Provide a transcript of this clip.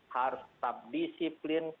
harus tetap disiplin